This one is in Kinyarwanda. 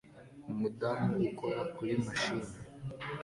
Umudamu ukora kuri mashini